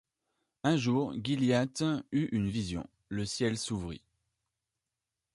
Un jour, Gilliatt eut une vision ; le ciel s’ouvrit.